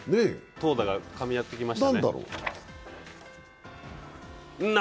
投打がかみ合ってきましたね。